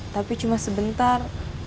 tapi cuma sebentar